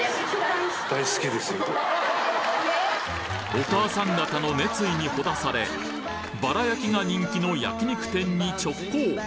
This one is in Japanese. お母さん方の熱意にほだされバラ焼きが人気の焼き肉店に直行！